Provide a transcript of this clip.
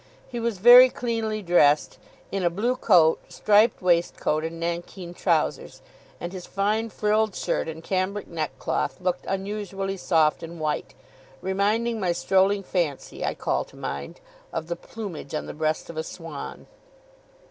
He was very cleanly dressed, in a blue coat, striped waistcoat, and nankeen trousers; and his fine frilled shirt and cambric neckcloth looked unusually soft and white, reminding my strolling fancy (I call to mind) of the plumage on the breast of a swan.